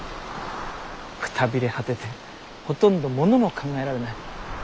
くたびれ果ててほとんどものも考えられない。